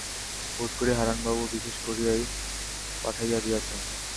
বোধ করি হারানবাবু বিশেষ করিয়াই পাঠাইয়া দিয়াছেন।